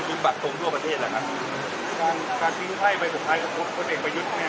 ก็คือบัตรตรงทั่วประเทศแหละครับการการทิ้งไทยไปสุดท้ายก็พบคนเองไปยุทธ์เนี้ยครับ